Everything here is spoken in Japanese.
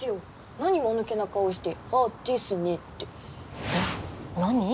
何まぬけな顔して「あっですね」ってえっ何？